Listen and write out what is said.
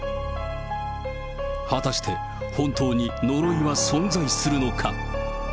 果たして本当に呪いは存在するのか。